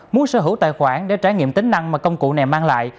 muốn sở hữu tài khoản để trải nghiệm tính năng mà công cụ này mang lại